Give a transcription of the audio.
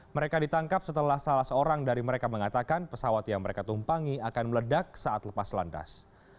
mereka ditangkap setelah salah seorang dari mereka mengatakan pesawat yang mereka tumpangi akan meledak saat lepas landas